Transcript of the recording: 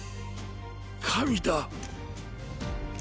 神だ。